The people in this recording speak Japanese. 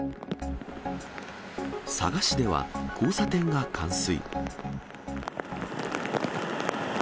佐賀市では、交差点が冠水。